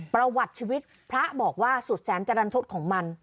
ประวัติชีวิตพระบอกว่าสุดแสนจรรทศของมัน